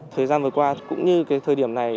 thời gian vừa qua cũng như thời điểm này